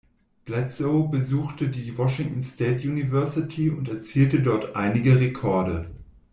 Bledsoe besuchte die Washington State University und erzielte dort einige Rekorde.